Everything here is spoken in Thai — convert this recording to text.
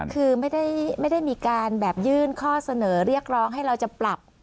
คือไม่ได้มีการแบบยื่นข้อเสนอเรียกร้องให้เราจะปรับ